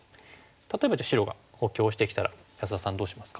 例えばじゃあ白が補強してきたら安田さんどうしますか？